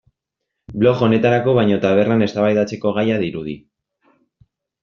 Blog honetarako baino tabernan eztabaidatzeko gaia dirudi.